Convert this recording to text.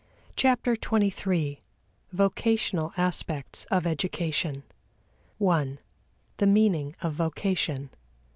Chapter Twenty Three: Vocational Aspects of Education 1. The Meaning of Vocation.